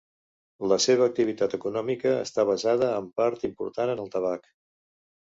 La seva activitat econòmica està basada en part important en el tabac.